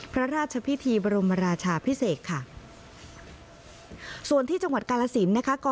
พระราชพิธีบรมราชาพิเศษค่ะส่วนที่จังหวัดกาลสินนะคะก็